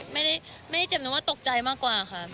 ไม่ได้เจ็บนึกว่าตกใจมากกว่าค่ะ